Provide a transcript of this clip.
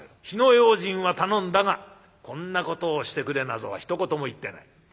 火の用心は頼んだがこんなことをしてくれなぞはひと言も言ってない。